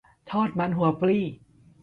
ทอดมันหัวปลี